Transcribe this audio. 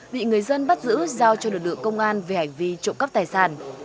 bị người dân bắt giữ giao cho lực lượng công an về hành vi trộm cắp tài sản